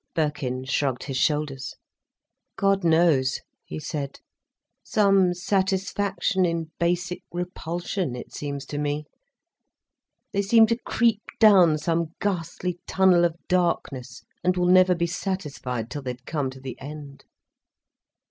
Birkin shrugged his shoulders. "God knows," he said. "Some satisfaction in basic repulsion, it seems to me. They seem to creep down some ghastly tunnel of darkness, and will never be satisfied till they've come to the end."